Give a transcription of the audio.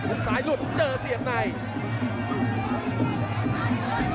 ซ้ายหลุดเจอเสียบใน